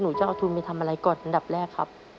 จะเอาทุนไปทำอะไรก่อนอันดับแรกครับ